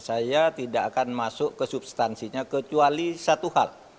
saya tidak akan masuk ke substansinya kecuali satu hal